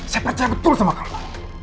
saya percaya betul sama allah